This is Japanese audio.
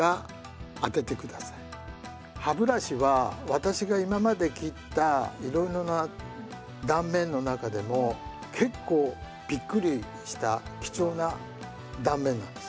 歯ブラシは私が今まで切ったいろいろな断面の中でも結構びっくりした貴重な断面なんです。